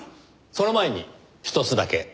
その前にひとつだけ。